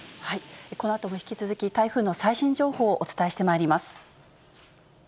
このあとも引き続き、台風の最新情報をお伝えしてまいります。